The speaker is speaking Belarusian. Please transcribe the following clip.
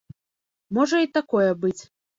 Можа і такое быць.